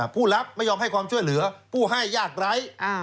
ผู้รับไม่ยอมให้ความช่วยเหลือผู้ให้ยากไร้